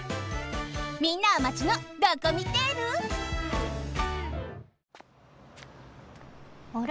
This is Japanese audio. みんなはマチのドコミテール？あれ？